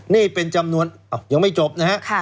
นี่เป็นจำนวนยังไม่จบนะฮะ